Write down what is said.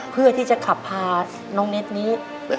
เพื่อที่จะขับพาน้องเน็ตนี้